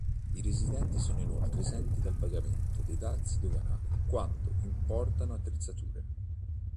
I residenti sono inoltre esenti dal pagamento dei dazi doganali quando importano attrezzature.